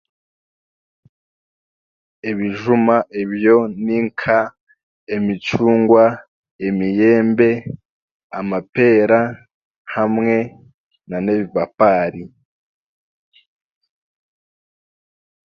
Ebijuma ebyo ni nka: emicungwa, emiyembe, amapeera, hamwe nan'ebipapaari.